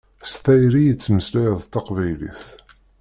S tayri i tettmeslay taqbaylit.